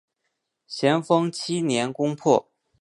咸丰七年攻破。